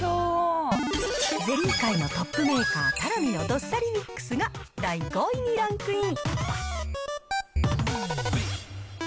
ゼリー界のトップメーカー、たらみのどっさりミックスが第５位にランクイン。